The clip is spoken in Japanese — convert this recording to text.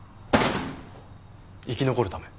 生き残るため。